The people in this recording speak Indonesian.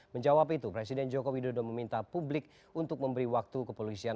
menjawab itu presiden joko widodo meminta publik untuk memberi waktu kepolisian